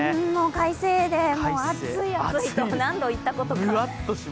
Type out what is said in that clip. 快晴で、暑い暑いと何度言ったことか。